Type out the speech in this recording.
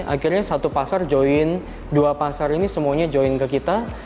akhirnya satu pasar join dua pasar ini semuanya join ke kita